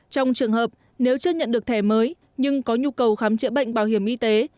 trong trường hợp nếu chưa nhận được thẻ mới nhưng có nhu cầu khám chữa bệnh bảo hiểm y tế